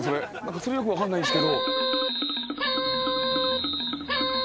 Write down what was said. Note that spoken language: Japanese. あれよく分かんないです。